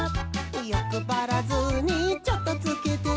「よくばらずにチョットつけて」